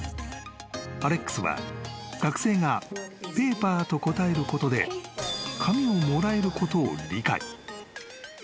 ［アレックスは学生が「ペーパー」と答えることで紙をもらえることを理解］